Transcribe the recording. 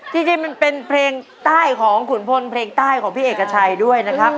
จริงมันเป็นเพลงใต้ของขุนพลเพลงใต้ของพี่เอกชัยด้วยนะครับ